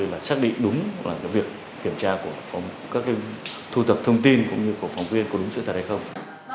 để xác định đúng việc kiểm tra của các thu thập thông tin cũng như của phóng viên có đúng sự thật hay không